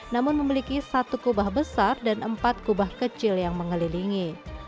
namun memiliki satu kubah besar dan empat kubah kecil yang mengelilingi